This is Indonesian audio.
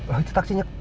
oh itu taksinya